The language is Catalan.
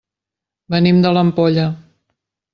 Venim de l'Ampolla.